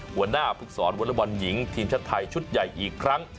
หัวหน้าภึกษรวอเลอร์บอลหญิงทีมชาติไทยชุดใหญ่อีกครั้ง